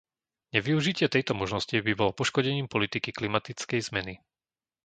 Nevyužitie tejto možnosti by bolo poškodením politiky klimatickej zmeny.